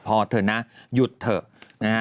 พ่อเธอน่ะหยุดเถอะนะ